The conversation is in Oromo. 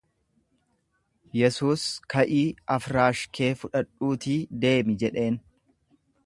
Yesuus, Ka’ii afraash kee fudhadhuutii deemi jedheen.